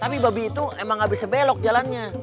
tapi babi itu emang gak bisa belok jalannya